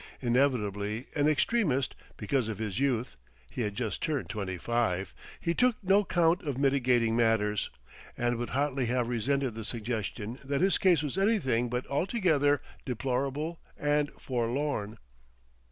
Inevitably an extremist, because of his youth, (he had just turned twenty five), he took no count of mitigating matters, and would hotly have resented the suggestion that his case was anything but altogether deplorable and forlorn.